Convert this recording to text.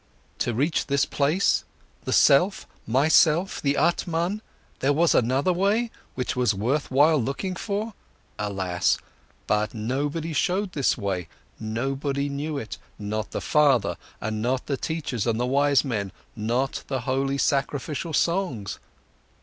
To reach this place, the self, myself, the Atman, there was another way, which was worthwhile looking for? Alas, and nobody showed this way, nobody knew it, not the father, and not the teachers and wise men, not the holy sacrificial songs!